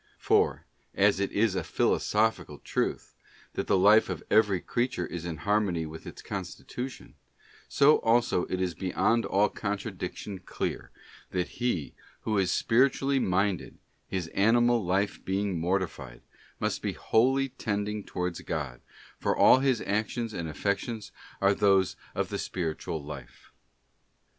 For, as it is a philosophical truth, that the life of every creature is in harmony with its constitution, so also is it beyond all contradiction clear, that he who is spiritually minded—his animal life being mortified—must be wholly tending towards God, for all his actions and affections are those of the spiritual life.